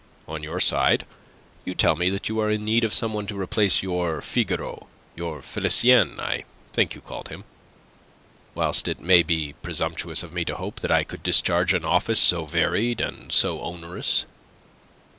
On your side you tell me that you are in need of some one to replace your Figaro your Felicien, I think you called him. Whilst it may be presumptuous of me to hope that I could discharge an office so varied and so onerous..."